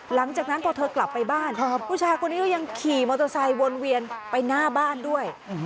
หลังจากนั้นพอเธอกลับไปบ้านผู้ชายคนนี้ก็ยังขี่มอเตอร์ไซค์วนเวียนไปหน้าบ้านด้วย